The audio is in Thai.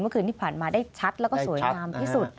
เมื่อคืนที่ผ่านมาได้ชัดแล้วก็สวยงามที่สุด